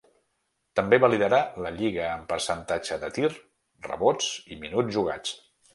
També va liderar la lliga en percentatge de tir, rebots i minuts jugats.